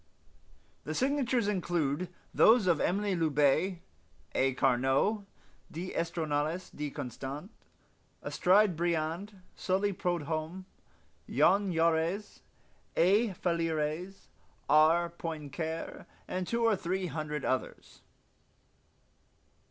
The signatures include those of Emile Loubet, A. Carnot, d'Estournelles de Constant, Aristide Briand, Sully Prudhomme, Jean Jaurés, A. Fallieres, R. Poincare, and two or three hundred others.